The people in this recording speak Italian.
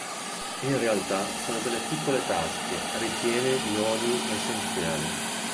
In realtà sono delle piccole tasche ripiene di olii essenziali.